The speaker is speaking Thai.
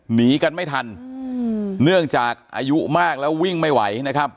หนีกันไม่ทันเนื่องจากอายุมากแล้ววิ่งไม่ไหวนะครับ